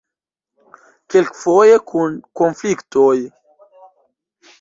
Kelkfoje kun konfliktoj.